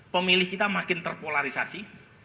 pemilih kita makin terpolarisasi